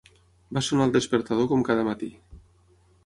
Va sonar es despertador com cada matí